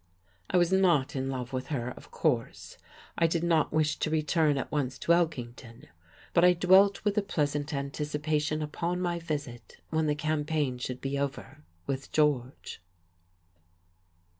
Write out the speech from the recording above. I was not in love with her, of course. I did not wish to return at once to Elkington, but I dwelt with a pleasant anticipation upon my visit, when the campaign should be over, with George.